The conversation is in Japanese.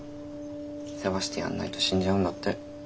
世話してやんないと死んじゃうんだって。